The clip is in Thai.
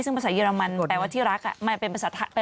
ซึ่งภาษาเยอรมันแปลว่าที่รักมันเป็นภาษาไทย